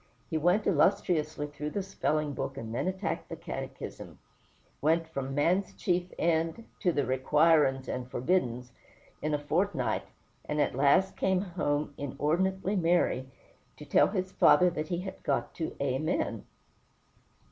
He went illustriously through the spelling book, and then attacked the Catechism; went from "man's chief end" to the "requirin's and forbiddin's" in a fortnight, and at last came home inordinately merry, to tell his father that he had got to "Amen."